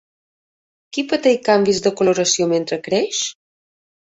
Qui pateix canvis de coloració mentre creix?